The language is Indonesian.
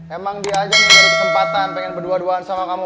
emang dia aja yang jadi kesempatan pengen berduaan duaan sama kamu